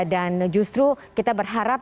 dan justru kita berharap